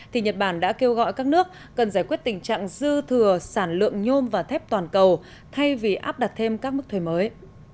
thì nhật bản đã kêu gọi các nước cần giải quyết tình trạng dư thừa sản lượng nhôm và thép toàn cầu thay vì áp đặt thêm các mức thuê mới